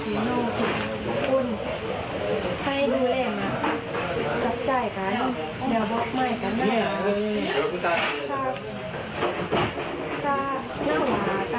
และเป็นภาพที่ผมคิดว่าจะทำงานได้เหลือรักนิดนึง